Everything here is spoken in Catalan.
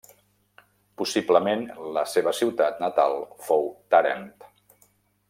Possiblement la seva ciutat natal fou Tàrent.